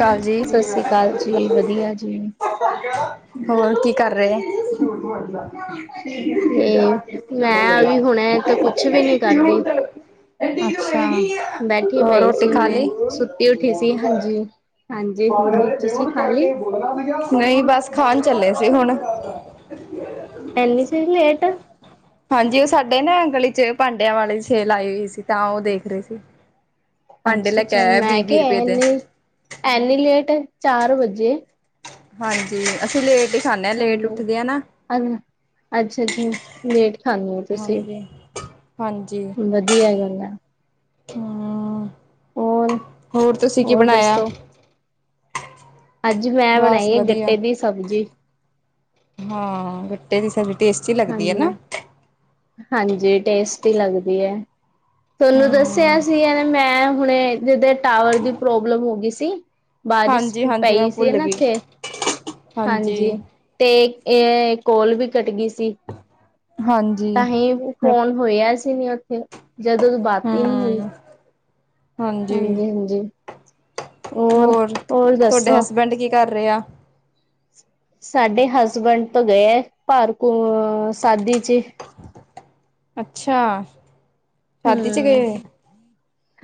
ਕਾਲ ਜੀ ਸਤਿ ਸ੍ਰੀ ਅਕਾਲ ਜੀ ਵਧੀਆ ਜੀ ਹੋਰ ਕੀ ਕਰ ਰਹੇ- [unintelligible] ਇਹ ਮੈਂ ਵੀ ਹੁਣੇ ਤੇ ਕੁਛ ਵੀ ਨੀ ਕਰਦੀ ਅਛਾ ਬੈਠੀ ਹੋਰ ਪਈ ਰੋਟੀ ਸੀ ਖਾ ਹੁਣੇ ਲਈ- ਸੁੱਤੀ ਉੱਠੀ ਸੀ ਹਾਂਜੀ ਹਾਂਜੀ ਹਾਂਜੀ ਦੇ ਤੁਸੀਂ ਵਿਧ ਖਾ ਲਈ ਕਰਕੇ [unintelligible] ਨਹੀ ਬਸ ਖਾਣ ਚਲੇ ਸੀ ਹੁਣ- ਐਨੀ ਚਿਰ ਲੇਟ- ਹਾਂਜੀ ਉਹ ਸਾਡੇ ਨਾ ਗਲੀ 'ਚ ਭਾਂਡਿਆਂ ਵਾਲੀ ਸੇਲ ਆਈ ਹੋਈ ਸੀ ਤਾਂ ਉਹ ਦੇਖ ਰਹੇ ਸੀ- ਭਾਂਡੇ ਅਛਾ- ਲੈ ਕੇ ਅਛਾ ਆਇਆ ਮੈ ਵੀਹ ਵੀਹ ਕਿਹਾ ਰੁਪਏ ਦੇ ਐਨੀ- ਐਨੀ ਲੇਟ ਚਾਰ ਵਜੇ- ਹਾਂਜੀ ਅਸੀ ਲੇਟ ਹੀ- ਖਾਂਦੇ ਲੇਟ ਹਾਂ- ਉੱਠਦੇ ਆ ਨਾ। ਅਛਾ- ਅਛਾ ਲੇਟ ਖਾਂਦੇ ਹੋ ਤੁਸੀ ਹਾਂਜੀ ਹਾਂਜੀ ਵਧੀਆ ਗੱਲ ਹੈ। ਹਮ ਹੋਰ ਹੋਰ ਤੁਸੀ ਕੀ ਬਣਾਇਆ- ਅਜ ਮੈ ਬਸ ਬਣਾਈ ਆ ਵਧੀਆ। ਗੱਟੇ ਦੀ ਸਬਜੀ- ਹਾਂ ਗਟੇ ਦੀ ਸਬਜੀ ਟੇਸਟੀ ਲਗਦੀ ਹੈ। ਹਾਂਜੀ ਨਾ- ਹਾਂਜੀ ਟੇਸਟੀ ਲੱਗਦੀ ਹੈ। ਤੁਹਾਨੂੰ ਦਸਿਆ ਹਮ ਸੀ ਇਹਨੇ ਮੈ ਹੁਣੇ ਜਿਦੇ ਟਾਵਰ ਦੀ ਪ੍ਰੋਬਲਮ ਹੋ ਗਈ ਸੀ। ਬਾਰਿਸ਼ ਹਾਂਜੀ ਖੂਬ ਹਾਂਜੀ ਮੈਂ ਪਈ ਸੀ ਭੁੱਲ ਨਾ ਗਈ ਇਥੇ- ਹਾਂਜੀ ਤੇ ਇਹ ਕੋਲ ਵੀ ਕੱਟ ਗਈ ਸੀ। ਹਾਂਜੀ। ਤਾਂਹੀ ਇਕ ਹਮ ਕੋਲ ਹੋਇਆ ਸੀ ਨੀ ਉਥੇ ਜਦੋਦੀ ਬਾਤ ਹੀ ਨਹੀ ਹੋਈ- ਹਾਂਜੀ ਹਾਂਜ- ਹਾਂਜੀ ਹੋਰ ਹੋਰ ਦਸੋ- ਪਿੰਡ ਕੀ ਕਰ ਰਿਹਾ- ਸਾਡੇ ਹਸਬੈਂਡ ਤੋਂ ਗਏ ਭਾਰਕੂ ਅ ਸਾਦੀ 'ਚ- ਅਛਾ ਸ਼ਾਦੀ 'ਚ ਹੂੰ ਗਏ-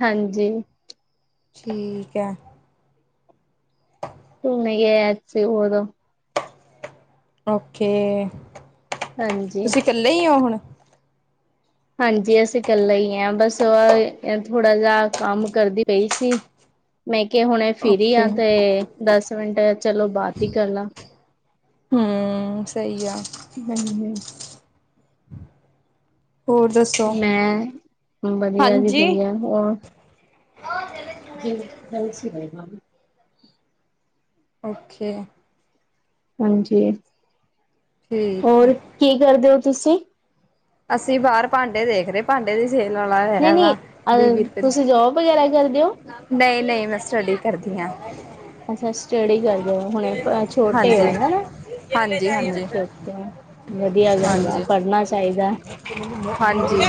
ਹਾਂਜੀ- ਠੀਕ ਹੈ। ਸਮ ਗ ਅਸੀ ਓਦੋ ਓਕੇ- ਹਾਂਜੀ- ਤੁਸੀਂ ਇਕੱਲੇ ਈਓ ਹੁਣ- ਹਾਂਜੀ ਅਸੀ ਕਲੇ ਹੀ ਹਾਂ ਬਸ ਉਹਹ- ਥੋੜਾ ਜਿਆ ਕੰਮ ਕਰਦੀ ਪਈ ਸੀ, ਮੈ ਕੇ ਹੁਣੇ ਓਕੇ ਫਿਰੀਆ ਤੇ ਦਸ- ਮਿੰਟ ਚਲੋ ਬਾਤ ਈ ਕਰਲਾ। ਹਮ ਸਈ ਆ। ਹਾਂਜੀ ਹੋਰ ਦੱਸ ਮੈ ਵਧੀਆ ਜੀ ਵਧੀਆ, ਹੋਰ ਜ ਜਲਸੀ ਗਈ [unintelligible] ਮ ਓਕੇ ਹਾਂਜੀ, ਠੀਕ ਹੈ। ਹੋਰ ਕੀ ਕਰਦੇ ਔ ਤੁਸੀ ਅਸੀ ਬਾਹਰ ਭਾਂਡੇ ਦੇਖ ਰਹੇ ਪਾਡੇ ਦੀ ਸੇਲ ਵਾਲਾ ਨਹੀਂ ਹੈਗਾ ਆ ਨਹੀਂ ਅ ਬੀ- ਬੀ ਰੁਪੇ ਤੁਸੀਂ ਜੋਬ ਵਗੈਰਾ ਕਰਦੇ ਹੋ। ਨਈ-ਨਈ ਮੈ ਸਟੱਡੀ ਕਰਦੀ ਆ। ਅਛਾ, ਸਟੱਡੀ ਕਰਦੇ ਔ, ਹੁਣੇ ਛੋਟੇ ਹਾਂਜੀ ਔ ਹਨਾ ਹਾਂਜੀ ਓ ਹਾਂਜੀ ਹਾਂਜੀ ਵਧੀਆ ਗੱਲ ਆ ਪੜ੍ਹਨਾ ਚਾਹੀਦਾ। ਹਾਂਜੀ।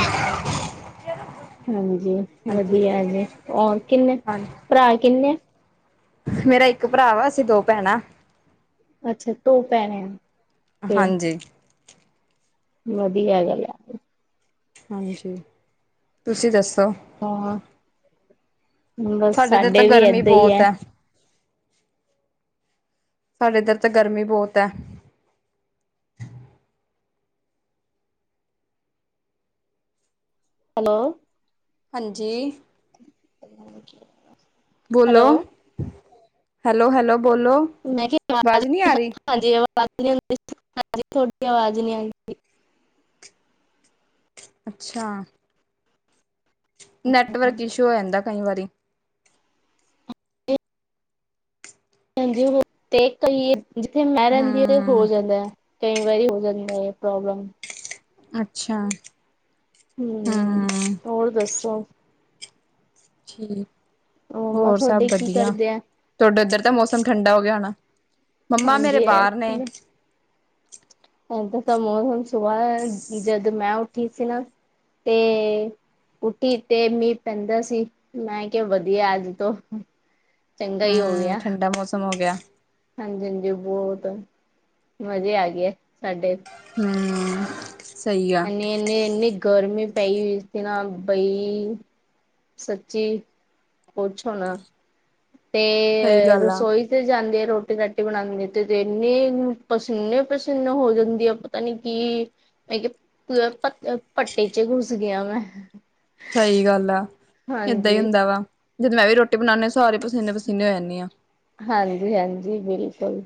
ਹਾਂਜੀ ਵਧੀਆ ਜੀ, ਹੋਰ ਕਿਨੇ ਹਾਂ ਭਰਾ ਕਿਨੇ ਮੇਰਾ ਇਕ ਭਰਾ ਵਾ, ਅਸੀ ਦੋ ਭੈਣਾਂ ਅਛਾ ਦੋ ਭੈਣਾਂ ਐ। ਹਾਂਜੀ ਵਧੀਆ ਗੱਲ ਆ। ਹਾਂਜੀ, ਤੁਸੀਂ ਦੱਸੋ? ਹਾਂ ਬਸ ਸਾਡੇ ਤੇ ਤਾਂ ਵੀ ਗਰਮੀ ਏਦਾਂ ਹੀ ਬਹੁਤ ਹੈ ਐ। ਸਾਡੇ ਇੱਧਰ ਤਾਂ ਗਰਮੀ ਬਹੁਤ ਐ। ਹੈਲੋ ਹਾਂਜੀ, ।।। ਬੋਲੋ, ਹੈਲੋ, ਹੈਲੋ ਬੋਲੋ। ਮੈਂ ਕਿਹਾਵਾ ਆਵਾਜ਼ ਨਹੀਂ ਹਾਂਜੀ, ਆ ਆਵਾ ਰਹੀ ਨ ਆਂਦੀ ਹ ਤੁਹਾਡੀ। ਆਵਾਜ਼ ਨੀ ਆਂਦੀ। ਅੱਛਾ ਨੈਟਵਰਕ ਇਸ਼ੂ ਹੋ ਜਾਂਦਾ ਕਈ ਵਾਰੀ। ਹਾਂਜੀ ਹੋ ਤੇ ਕਈ, ਜਿੱਥੇ ਮੈਂ ਰਹਿੰਦੀ ਆ ਹਮ ਹੋ ਜਾਂਦਾ ਐ। ਕਈ ਵਾਰੀ ਹੋ ਜਾਂਦਾ ਐ ਪ੍ਰੋਬਲਮ। ਅੱਛਾ। ਹਮ, ਹੂੰ ਹੋਰ ਦੱਸੋ? ਠੀਕ, ਮੰਮਾ ਹੋਰ ਸਭ ਤੁਹਾਡੇ ਕੀ ਵਧੀਆ। ਕਰਦੇ ਆ ਤੋਡੇ ਇਧਰ ਤਾਂ ਮੌਸਮ ਠੰਡਾ ਹੋ ਗਿਆ ਹੋਣਾ, ਮੰਮਾ ਮੇਰੇ ਹਾਂਜੀ ਬਾਹਰ ਨੇ। ਇਦ ਤਾਂ ਮੌਸਮ ਸੁਬਾਹ ਐ, ਜਦ ਮੈਂ ਉੱਠੀ ਸੀ ਨਾ ਤੇ ਉਠੀ ਤੇ ਮੀਂਹ ਪੈਂਦਾ ਸੀ, ਮੈਂ ਕਿਹਾ ਵਧੀਆ ਅੱਜ ਤੋਂ। ਚੰਗਾ ਹੀ ਹੋ ਹਮ, ਗਿਆ ਠੰਡਾ ਮੌਸਮ ਹੋ ਗਿਆ। ਹਾਂਜੀ, ਹਾਂਜੀ, ਬੋਤ ਮਜ਼ੇ ਆ ਗਏ ਸਾਡੇ। ਹਮ, ਸਹੀ ਆ। ਇਨੀਂ, ਇਨੀ ਗਰਮੀ ਪਈ ਹੋਈ ਸੀ ਨਾ, ਬਈ। ਸੱਚੀ ਪੁੱਛੋ ਨਾ, ਤੇ ਸਹੀ ਗੱਲ ਆ ਰਸੋਈ ਜਾਂਦੇ ਆ ਰੋਟੀ -ਰਾਟੀ ਬਣਾਂਦੇ ਤੇ ਇੰਨਨੀ ਪਸੀਨੇ- ਪਸੰਨੇ ਹੋ ਜਾਂਦੀ ਆ। ਪਤਾ ਨੀ ਕਿ ਮੈਂ ਕਿਹਾ ਪੱਟੇ ਚ ਘੁਸ ਗਿਆ ਵਾ। ਸਹੀ ਗੱਲ ਆ। ਏਦਾਂ ਹੀ ਹੁੰਦਾ ਵਾ, ਜਦੋਂ ਮੈਂ ਵੀ ਰੋਟੀ ਬਣਾਉਂਦੀ ਹ ਸਾਰੇ ਪਸੀਨੇ-ਪਸੀਨੇ ਹੋ, ਜਾਂਦੀ ਹਾਂ। ਹਾਂਜੀ-ਹਾਂਜੀ ਬਿਲਕੁਲ।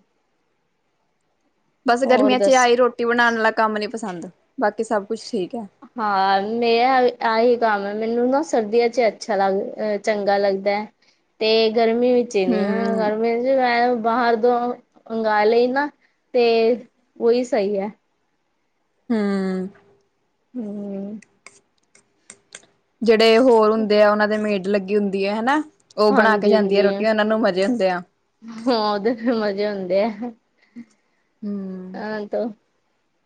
ਬਸ ਹੋਰ ਗਰਮੀਆਂ ਚ, ਆ ਦੱਸ ਹੀ ਰੋਟੀ ਬਣਾਉਣ ਵਾਲਾ ਕੰਮ ਨੀ ਪਸੰਦ। ਬਾਕੀ ਸਭ ਕੁਛ ਠੀਕ ਹੈ। ਹਾਂ, ਮੇ ਆਹੀ ਕੰਮ ਹੈ ਮੈਨੂੰ ਨਾ ਸਰਦੀਆਂ ਚ, ਅੱਛਾ ਲੱਗ ਚੰਗਾ ਲੱਗਦਾ। ਤੇ ਗਰਮੀ ਵਿੱਚ ਹੀ ਨੀ। ਹੂੰ ਗਰਮੀ ਚ ਬਾਹਰ ਉਦੋਂ ਮੰਗ ਲਈ ਨਾ। ਤੇ ਉਹੀ ਸਹੀ ਹੈ। ਹੂੰ ਹੂੰ ਜਿਹੜੇ ਹੋਰ ਹੁੰਦੇ ਆ। ਉਹਨਾਂ ਦੇ ਮੇਡ ਲੱਗੀ ਹੁੰਦੀ ਹੈ ਹਨਾ? ਉਹ ਬਣਾ ਕੇ ਜਾਂਦੀ ਆ ਰੋਟੀ। ਉਹਨਾ ਨੂੰ ਮਜ਼ੇ ਹੁੰਦੇ ਆ। ਹੂੰ, ਓਦੇ ਤੇ ਮਜੇ ਹੋਂਦੇ ਆ। ਹੂੰ ਹਾਂ ਤਾ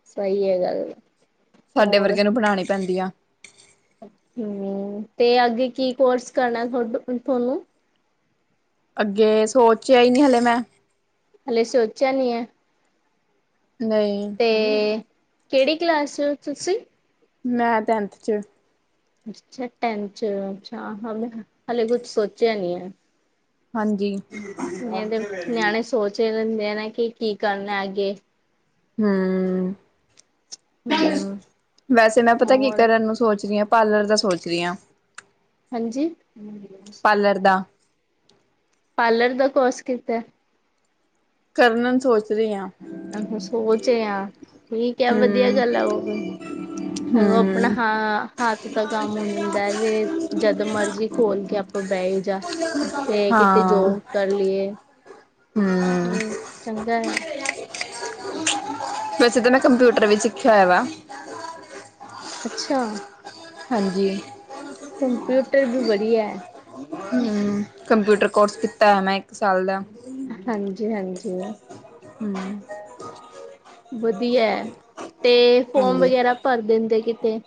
ਸਹੀ ਹੈ ਗੱਲ। ਸਾਡੇ ਵਰਗੇ ਨੂੰ ਬਣਾਉਣੀ ਪੈਂਦੀ ਆ। ਹੂ, ਤੇ ਅੱਗੇ ਕੀ ਕੋਰਸ ਕਰਨਾ ਤੁਹਾਨੂੰ। ਅੱਗੇ, ਸੋਚਿਆ ਹੀ ਨਹੀ ਹਲੇ ਮੈਂ, ਹਲੇ ਸੋਚਿਆ ਨੀ ਹੈ? ਨਹੀਂ। ਅਤੇ ਕਿਹੜੀ ਕਲਾਸ ਚੇ, ਹੋ ਤੁਸੀ? ਮੈਂ ਟੈਂਨਥ ਚ, ਅੱਛਾ। ਟੈਨ ਚ, ਅੱਛਾ ਹਾ ਹਾਲੇ ਕੁਛ ਸੋਚਿਆ ਨਹੀਂ ਹੈ। ਹਾਂਜੀ। ਤੇ ਨਿਆਣੇ ਸੋਚ ਹੀ ਲੈਂਦੇ ਆ ਨਾ, ਕੀ-ਕੀ ਕਰਨਾ ਅੱਗੇ? ਹੂ, ਹੂੰ ਵੈਸੇ ਮੈਂ ਪਤਾ ਕੀ ਹੋਰ ਕਰਨ ਨੂੰ ਸੋਚ ਰਹੀ ਹਾਂ। ਪਾਰਲਰ ਦਾ ਸੋਚ ਰਹੀ ਹਾਂ। ਹਾਂਜੀ ਕਰਦਾ ਪਾਰਲਰ ਦਾ, ਕੋਰਸ ਕੀਤਾ ਕਰਨਾ ਸੋਚ ਰਹੀ ਆਂ ਅਹ ਸੋਚ ਆ ਠੀਕ ਹੈ। ਵਧੀਆ ਹੂੰ, ਗੱਲ ਆ ਉਹ ਵੀ ਹੈਲੋ ਆਪਣਾ ਹੂੰ, ਹਾਂ ਹੱਥ ਦਾ ਕੰਮ ਹੋ ਜਾਂਦਾ ਤੇ, ਜਦ ਮਰਜੀ ਖੋਲ ਕੇ ਬਹਿ ਜਾ, ਤੇ ਕਿਤੇ ਹਾਂ। ਜੋਓ ਕਰ ਲਈਏ ਹੂੰ, ਚੰਗਾ ਹੈ ਵੈਸੇ ਤਾਂ ਮੈਂ ਕੰਪਿਊਟਰ ਵੀ, ਸਿੱਖਿਆ ਹੋਇਆ ਵਾ ਅੱਛਾ ਹਾਂਜੀ ਕੰਪਿਊਟਰ ਵੀ, ਵਧੀਆ ਹੂੰ ਕੰਪਿਊਟਰ ਕੋਰਸ ਕੀਤਾ ਹੈ। ਮੈਂ, ਇੱਕ ਸਾਲ ਦਾ ਹਾਂਜੀ-ਹਾਂਜੀ [unintelligible] ਵਧੀਆ ਹੈ। ਤੇ ਫੋਰਮ ਹਾਂਜੀ। ਵਗੈਰਾ ਭਰ ਦਿੰਦੇ ਕਿਤੇ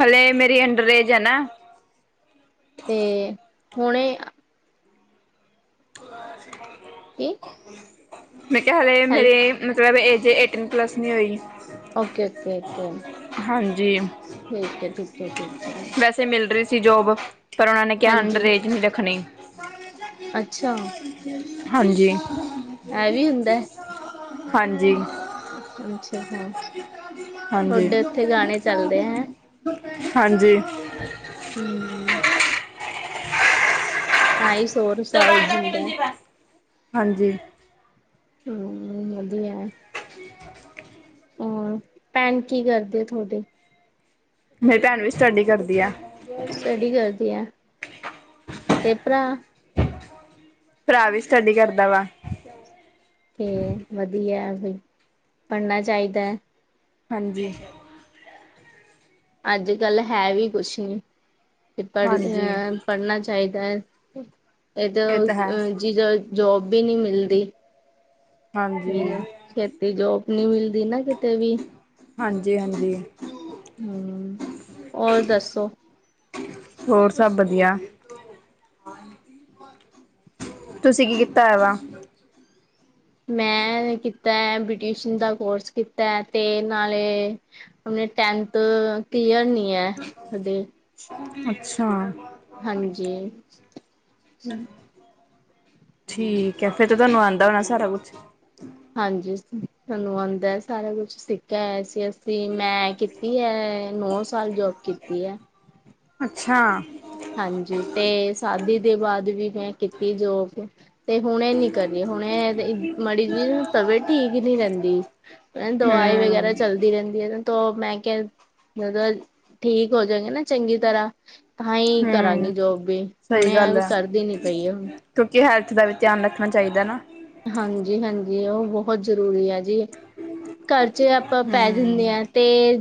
ਹਲੇ ਮੇਰੀ ਅੰਡਰਰੇਏਜ ਐ ਨਾ ਤੇ ਹੁਣੇ [unintelligible] ਕੀ ਮੈਂ ਕਿਹਾ ਹਲੇ ਹੈਲ ਮੇਰੇ ਮਤਲਬ ਏਜ ਏਟੀਨ ਪਲਸ ਨਹੀਂ ਹੋਈ। Okay, okay, okay. ਹਾਂਜੀ। ਠੀਕ ਐ, ਠੀਕ ਐ ਜੀ। ਇਥੇ ਮਿਲ ਰਹੀ ਸੀ ਜੋਬ, ਪਰ ਉਹ ਨੇ ਕਿਹਾ ਹਾਂਜੀ ਅੰਡਰਏਜ ਨਹੀਂ ਰੱਖਣੀ। ਅੱਛਾ ਹਾਂਜੀ। ਇਹ ਵੀ ਹੁੰਦਾ ਹਾਂਜੀ। ਅੱਛਾ, ਅੱਛਾ ਹਾਂਜੀ ਤੁਹਾਡੇ ਉੱਥੇ ਗਾਣੇ ਚੱਲਦੇ ਐ ਹੈ। ਹਾਂਜੀ। ਹੂੰ। ਤਾਈ ਸ਼ੋਰ [unintelligible] ਹੁੰਦੇ ਏ। ਹਾਂਜੀ। ਹੂੰ ਵਧੀਆ ਏ। ਹੋਰ ਭੈਣ ਕੀ ਕਰਦੇ ਹੈ ਤੁਹਾਡੇ? ਮੇਰੀ ਭੈਣ ਵੀ ਸਟੱਡੀ ਕਰਦੀ ਆ। ਸਟੱਡੀ ਕਰਦੀ ਐ, ਤੇ ਭਰਾ [unintelligible] ਭਰਾ ਵੀ ਸਟੱਡੀ ਕਰਦਾ ਵਾ। ਤੇ ਵਧੀਆ ਏ ਵੀ ਪੜ੍ਹਨਾ ਚਾਹੀਦਾ ਐ। ਹਾਂਜੀ। ਅੱਜ ਕੱਲ ਹੈ ਵੀ ਕੁਛ ਨੀ, ਤੇ ਹਾਂਜੀ ਪੜਨਾ ਐ। ਪੜ੍ਹਨਾ ਚਾਹੀਦਾ ਹੈ, ਇਹਦ ਇਹ ਤਾਂ ਹੈ ਜਿਦ ਜੋਬ ਵੀ ਨਹੀਂ ਮਿਲਦੀ। ਹਾਂਜੀ ਜਿਵੇ ਛੇਤੀ ਜੋਬ ਨੀ ਮਿਲਦੀ ਨਾ ਕਿਤੇ ਵੀ। ਹਾਂਜੀ, ਹਾਂਜੀ। ਹੂੰ ਹੋਰ ਦੱਸੋ? ਹੋਰ ਸਭ ਵਧੀਆ। ਤੁਸੀਂ ਕੀ ਕੀਤਾ ਹੋਆ ਵਾ ਮੈਂ ਕੀਤਾ ਐ ਬਿਊਟੀਸ਼ਨ ਦਾ ਕੋਰਸ ਕੀਤਾ ਤੇ ਨਾਲੇ ਹਲੇ ਟੈਨਥ ਕਲੀਅਰ ਨਈ ਐ ਹਜੇ। ਅੱਛਾ। ਹਾਂਜੀ ਹਾਂ। ਠੀਕ ਹੈ, ਫੇਰ ਤਾਂ ਤੁਹਾਨੂੰ ਆਉਂਦਾ ਹੋਣਾ ਸਾਰਾ ਕੁਛ। ਹਾਂਜੀ ਸਾਨੂੰ ਆਉਂਦਾ ਹੈ ਸਾਰਾ ਕੁੱਛ, ਸਿੱਖਿਆ ਹੋਆ ਸੀ ਤੇ ਮੈਂ ਕੀਤੀ ਹੈ, ਨੌ ਸਾਲ ਜੋਬ ਕੀਤੀ ਹੈ। ਅੱਛਾ। ਹਾਂਜੀ, ਤੇ ਸ਼ਾਦੀ ਦੇ ਬਾਅਦ ਵੀ ਮੈਂ ਕੀਤੀ ਜੋਬ। ਤੇ ਹੁਣੇ ਨ ਕਰੀਏ ਹੁਣ ਇਹ ਮਾੜੀ ਜੀ ਤਬੀਅਤ ਠੀਕ ਹੀ ਨੀ ਰਹਿੰਦੀ, ਹਨਾ ਦਵਾਈ ਹਮ ਵਗੈਰਾ ਚੱਲਦੀ ਰਹਿੰਦੀ ਹੈ, ਤੋ ਮੈਂ ਕਿਹਾ ਜਦੋਂ ਠੀਕ ਹੋ ਜੋ ਗੇਨਾ ਚੰਗੀ ਤਰ੍ਹਾਂ ਤਾਂ ਹੀ ਕਰਾਂਗੀ ਹੂੰ ਜੋਬ ਵੀ, ਹੁਣ ਸਹੀ ਇਹ ਗੱਲ ਵੀ ਹੈ ਕਰਦੀ ਨੀ ਪਈ ਹੁਣ ਕਿਉਂਕਿ ਹੈਲਥ ਦਾ ਵੀ ਧਿਆਨ ਰੱਖਣਾ ਚਾਹੀਦਾ ਨਾ। ਹਾਂਜੀ, ਹਾਂਜੀ ਉਹ ਬਹੁਤ ਜ਼ਰੂਰੀ ਆ ਜੀ, ਘਰ ਚ ਆਪਾਂ ਪੈ ਜਾਣੇ ਹਾਂ ਹੂੰ ਤੇ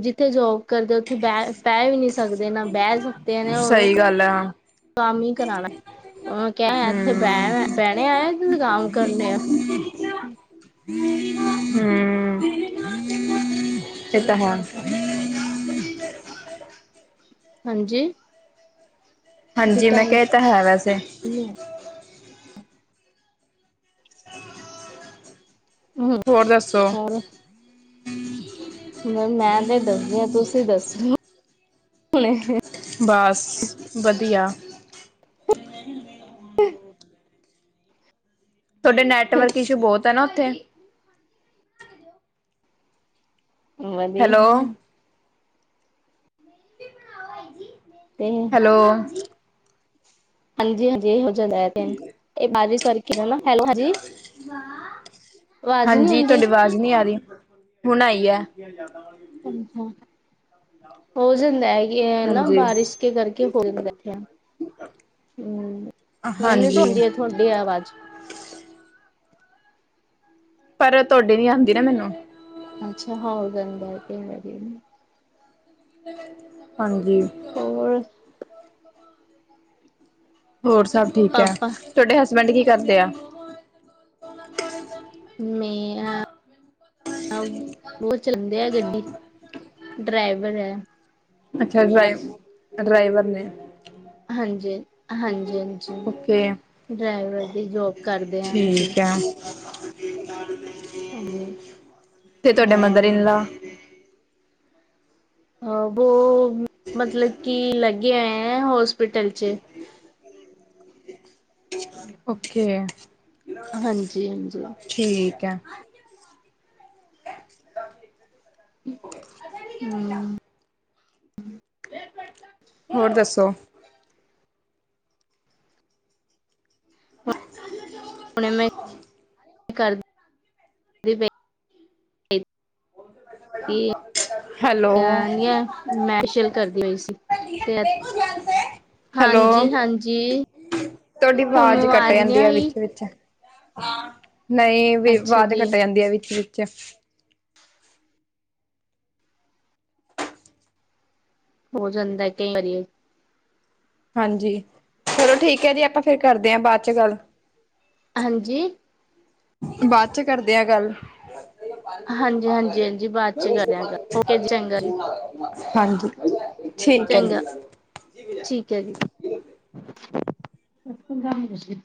ਜਿੱਥੇ ਜੋਬ ਕਰਦੇ ਉੱਥੇ ਬ ਬੇਹਿ ਵੀ ਨਹੀਂ ਸਕਦੇ ਨਾ ਬਹਿ ਸਕਦੇ ਨੇ ਔਦੋ ਗੱਲਾਂ। ਕੰਮ ਈ ਕਰਾਣੈ, ਉਨੂੰ ਕਹਿ ਇੱਥੇ ਬੈ ਹੂੰ ਬਹਿਣੇ ਆਏ ਆ ਜਤ ਕੰਮ ਕਰਨੇ ਆ। ਹੂੰ। ਚੇ ਇਹ ਨਈ ਤਾਂ ਹੈ ਪਾਰਕ ਆ। ਹਾਂਜੀ। ਵੀ ਹਾਂਜੀ ਮੈਂ ਟਾਈਮ ਕਿਹਾ ਏ ਤਾਂ ਹੈ ਵੈਸੇ। ਹੂੰ ਹੋਰ ਦੱਸੋ? ਹੋਰ ਮੈਂ 'ਤੇ ਦੱਸਦੀ ਆ ਤੁਸੀਂ ਦੱਸੋ, ਹੁਣੇ। ਬਸ ਵਧੀਆ। ਤੁਹਾਡੇ ਨੈਟਵਰਕ ਇਸ਼ੂ ਬੋਤ ਐ ਨਾ ਉੱਥੇ। ਵਧੀਆ ਹੈਲੋ ਹੂੰ। ਤੇ ਹੈਲੋ ਹਾਂਜੀ-ਹਾਂਜੀ ਏ ਹੋ ਜਾਂਦਾ ਐ 'ਤੇ। ਆਵਾਜ਼ ਨੀ ਹਾਂਜੀ ਆਂਦੀ। ਤੁਹਾਡੀ ਵਾਜ ਨੀ ਆ ਰੀ, ਹੁਣ ਆਈ ਐ। [inaudible] ਸਮਝਾ। ਹੋ ਜਾਂਦਾ ਹੈਗੀ ਹੈ ਨਾ ਹਾਂਜੀ ਬਾਰਿਸ਼ ਕੇ ਕਰਕੇ ਹੋ ਜਾਂਦਾ। ਹੂੰ, ਮੈਨੂੰ ਤੋਂ ਹਾਂਜੀ ਆਂਦੀ ਏ ਥੋਡੀ ਆਵਾਜ਼। ਪਰ ਤੋਡੀ ਨੀ ਆਂਦੀ ਨਾ ਮੈਨੂੰ। ਅੱਛਾ [inaudible] ਹਾਂਜੀ। ਹੋਰ? ਹੋਰ ਸਭ ਠੀਕ ਐ ਪਾਪਾ ਤੁਹਾਡੇ ਹਸਬੈਂਡ ਕੀ ਕਰਦੇ ਆ? ਮੇ ਰਾ ਵੋ ਚਲਾਂਦੇ ਐ ਗੱਡੀ, ਡਰਾਈਵਰ ਐ। ਅੱਛਾ ਡਰਾਏ ਡਰਾਈਵਰ ਨੇ। ਹਾਂਜੀ, ਹਾਂਜੀ-ਹਾਂਜੀ ਓਕੇ ਡਰਾਈਵਰ ਦੀ ਜੋਬ ਕਰਦੇ ਅਨ ਜੀ। ਠੀਕ ਹੈ ਹਾਂਜੀ 'ਤੇ ਤੁਹਾਡੇ ਮਦਰ ਇਨ ਹਾਂ ਲਾ? ਹਾਂ ਬੋ ਮਤਲਬ ਕਿ ਲੱਗੇ ਹੋਏ ਆ ਨਾ ਹੋਸਪਿਟਲ 'ਚ। ਓਕੇ, ਹਾਂਜੀ ਹਾਂਜੀ ਠੀਕ ਐ। ਹੂੰ। ਹੋਰ ਦੱਸੋ? ਹੁਣੇ ਮੈਂ, ਕਰ, ਦੀ ਵੇ [inaudible] ਹੈਲੋ ਮੈਸ਼ਲ ਕਰਦੀ ਹੋਈ ਸੀ 'ਤੇ ਹਾਂਜੀ-ਹਾਂਜੀ। ਤੋਡੀ ਵਾਜ਼ ਕੱਟ ਜਾਂਦੀ ਆ ਆਈ ਵਿੱਚ-ਵਿੱਚ, ਨਈ ਵੇ ਅੱਛਾ ਵਾਜ਼ ਜੀ ਕੱਟ ਜਾਂਦੀ ਆ ਵਿੱਚ-ਵਿੱਚ। ਹੋ ਜਾਂਦੈ ਕਈ ਵਾਰੀ ਏ। ਹਾਂਜੀ, ਚਲੋ ਠੀਕ ਐ ਜੀ ਆਪਾਂ ਫੇਰ ਕਰਦੇ ਐ ਬਾਦ 'ਚ ਗੱਲ। ਹਾਂਜੀ। ਬਾਦ 'ਚ ਕਰਦੇ ਆ ਗੱਲ। ਹਾਂਜੀ ਹਾਂਜੀ ਹਾਂਜੀ ਬਾਅਦ ਚ ਕਰਿਆ ਓਕੇ ਜੀ ਚੰਗਾ ਜੀ ਹਾਂਜੀ। ਠੀਕ ਹੈ ਚੰਗਾ, ਜੀ ਠੀਕ ਐ ਜੀ।